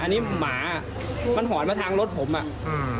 อันนี้หมามันหอนมาทางรถผมอ่ะอ่า